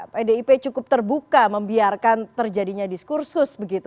pdip cukup terbuka membiarkan terjadinya diskursus begitu